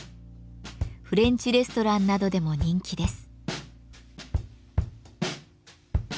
フレンチレストランなどでも人気です。